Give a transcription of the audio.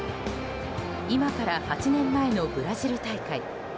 今から８年前のブラジル大会。